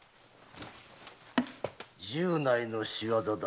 十内の仕業だ。